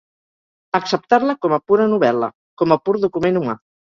acceptar-la com a pura novel·la, com a pur document humà